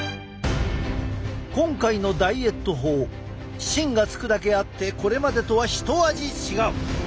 今回のダイエット法「シン」が付くだけあってこれまでとはひと味違う！